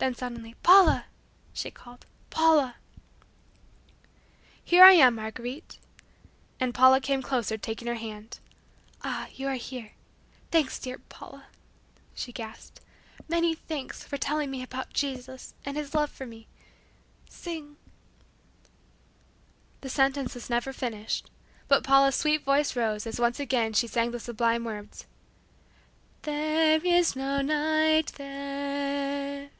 Then suddenly "Paula!" she called "Paula!" "Here I am, Marguerite," and Paula came closer, taking her hand. "Ah, you are here. Thanks, dear Paula," she gasped. "Many thanks for telling me about Jesus and His love for me. Sing " The sentence was never finished, but Paula's sweet voice rose, as once again she sang the sublime words: "There is no night there."